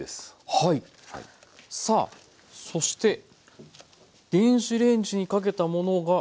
さあそして電子レンジにかけたものが。